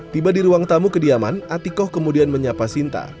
tiba di ruang tamu kediaman atikoh kemudian menyapa sinta